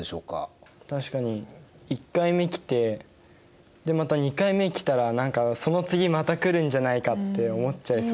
確かに１回目来てまた２回目来たら何かその次また来るんじゃないかって思っちゃいそうですよね。